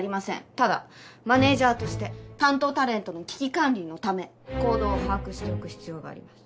ただマネージャーとして担当タレントの危機管理のため行動を把握しておく必要があります。